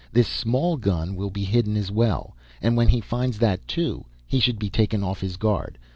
This small gun will be hidden as well, and when he finds that, too, he should be taken off his guard.